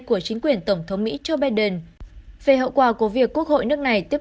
của chính quyền tổng thống mỹ joe biden về hậu quả của việc quốc hội nước này tiếp